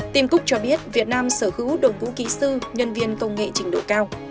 tim cook cho biết việt nam sở hữu đồng vũ ký sư nhân viên công nghệ trình độ cao